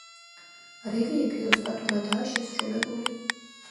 რელიეფი ოსტატურადაა შესრულებული.